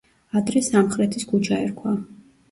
ადრე სამხრეთის ქუჩა ერქვა.